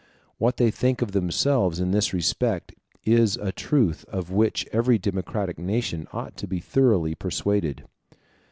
What they think of themselves in this respect is a truth of which every democratic nation ought to be thoroughly persuaded.